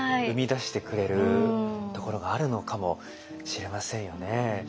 生み出してくれるところがあるのかもしれませんよね。